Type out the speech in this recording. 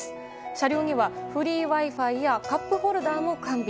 車両にはフリーＷｉ‐Ｆｉやカップホルダーも完備。